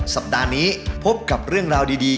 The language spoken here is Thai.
สัปดาห์นี้พบกับเรื่องราวดี